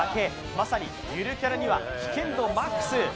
まさにゆるキャラには危険度マックス。